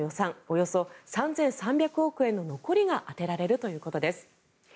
およそ３３００億円の残りが充てられるということです。